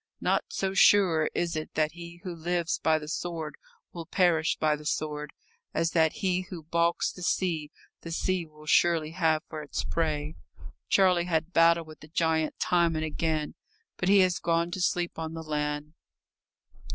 Not so sure is it that he who lives by the sword will perish by the sword, as that he who baulks the sea the sea will surely have for its prey. Charlie had battled with the giant time and again, but he has gone to sleep on the land.